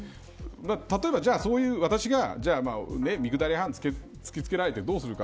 例えば私が、じゃあ三くだり半を突きつけられて、どうするか。